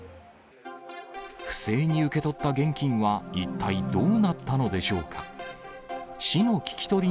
不正に受け取った現金は、一体どうなったのでしょうか。